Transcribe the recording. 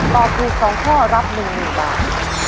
ตอบถูก๒ข้อรับ๑๐๐๐บาท